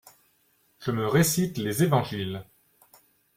Je me récite les évangiles.